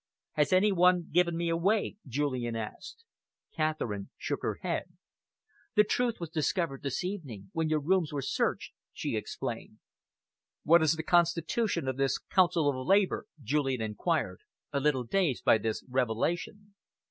"Has any one given me away?" Julian asked. Catherine shook her head. "The truth was discovered this evening, when your rooms were searched," she explained. "What is the constitution of this Council of Labour?" Julian enquired, a little dazed by this revelation.